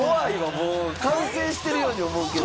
もう完成してるように思うけど。